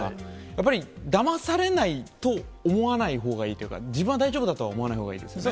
やっぱり、だまされないと思わないほうがいいというか、自分は大丈夫だとは思わないほうがいいですよね。